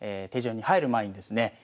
手順に入る前にですね